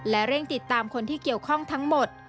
และเร่งติดตามคนที่เกี่ยวข้องทั้งหมด